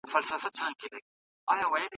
په رښتیني جهاد کي د الله رضا پټه ده.